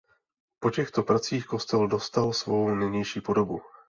Po těchto pracích kostel dostal svou nynější podobu.